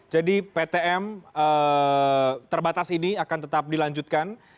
jadi ptm terbatas ini akan tetap dilanjutkan